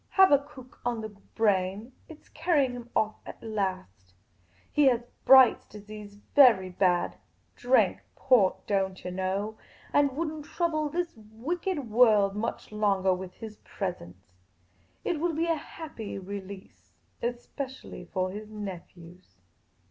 Habakkuk on the brain ; it 's carrying him off at last. He has Bright's disease very bad — drank port, don't yah know — and won't trouble this wicked world much longah with his presence. It will be a happy release — especially for his nephews."